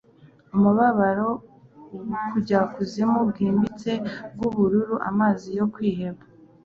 umubabaro, ubujyakuzimu bwimbitse bwubururu, amazi yo kwiheba